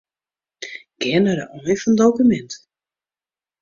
Gean nei de ein fan dokumint.